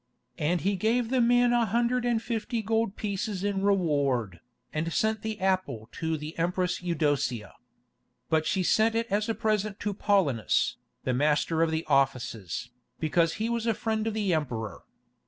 And he gave the man a hundred and fifty gold pieces in reward, and sent the apple to the Empress Eudocia. But she sent it as a present to Paulinus, the 'Master of the Offices,' because he was a friend of the emperor.